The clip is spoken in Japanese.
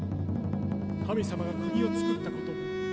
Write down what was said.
神様が国を作ったことも。